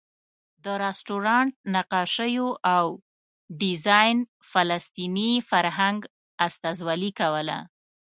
د رسټورانټ نقاشیو او ډیزاین فلسطیني فرهنګ استازولې کوله.